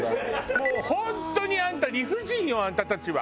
もう本当にあんた理不尽よあんたたちは。